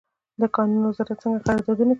د کانونو وزارت څنګه قراردادونه کوي؟